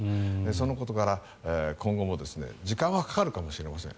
そのことから、今後も時間はかかるかもしれません。